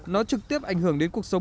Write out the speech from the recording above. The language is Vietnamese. nó trực tiếp ảnh hưởng đến cuộc sống